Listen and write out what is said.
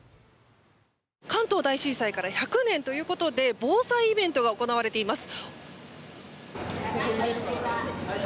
関東大震災から１００年ということで防災イベントが行われています。